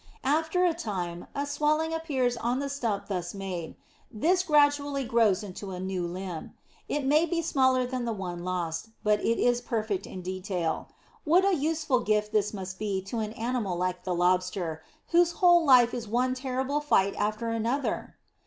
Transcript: After a time a slight swelling appears on the stump thus made; this gradually grows into a new limb. It may be smaller than the lost one, but it is perfect in detail. What a useful gift this must be to an animal like the Lobster, whose whole life is one terrible fight after another!